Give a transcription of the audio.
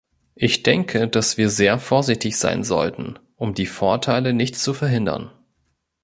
Ich denke, dass wir sehr vorsichtig sein sollten, um die Vorteile nicht zu verhindern.